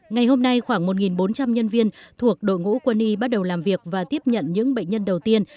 ngày hôm nay khoảng một bốn trăm linh nhân viên thuộc đội ngũ quân y bắt đầu làm việc và tiếp nhận những bệnh nhân đầu tiên